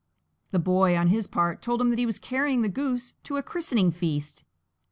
The Boy on his part told him that he was carrying the goose to a christening feast.